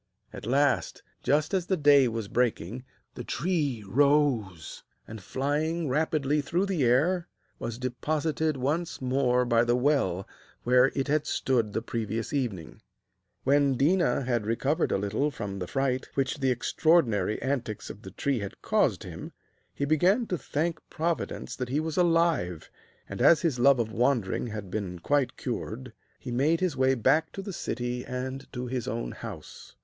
At last, just as the day was breaking, the tree rose, and, flying rapidly through the air, was deposited once more by the well where it had stood the previous evening. When Déna had recovered a little from the fright which the extraordinary antics of the tree had caused him, he began to thank Providence that he was alive, and, as his love of wandering had been quite cured, he made his way back to the city and to his own house.